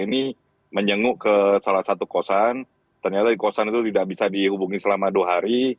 ini menjenguk ke salah satu kosan ternyata di kosan itu tidak bisa dihubungi selama dua hari